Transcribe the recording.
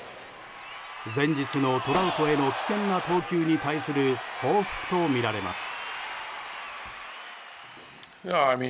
前日のトラウトへの危険な投球に対する報復とみられます。